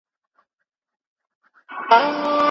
لکۍ لرونکي ستوري ګنګل شوی ګاز او غبار لري.